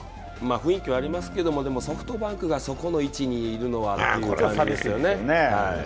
雰囲気はありますけどでもソフトバンクがそこの位置にいるのはという感じですよね。